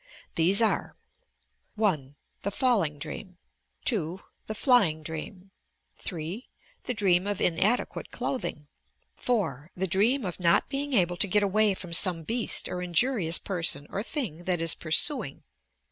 These are: 1. The falling dream, 2. The flying dream, 3. The dream of inadequate clothing, 4. The dream of not being able to get away from some beast or injurious person or thing that is pursuing, 5.